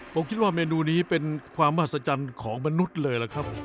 ผมคิดว่าเมนูนี้เป็นความมหัศจรรย์ของมนุษย์เลยล่ะครับ